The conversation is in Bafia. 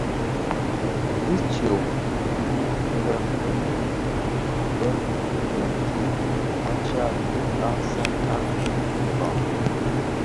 Dhi nshyom wu le Benue bè tsuňtsuň a Tchad bi an san a dimbag.